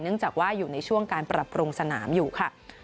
จากว่าอยู่ในช่วงการปรับปรุงสนามอยู่ค่ะ